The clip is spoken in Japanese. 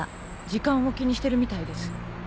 時間を気にしてるみたいです。